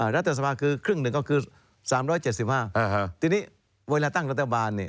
รัฐสภาคือครึ่งหนึ่งก็คือ๓๗๕ทีนี้เวลาตั้งรัฐบาลเนี่ย